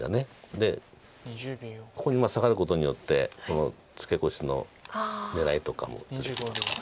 でここにサガることによってこのツケコシの狙いとかも出てきますから。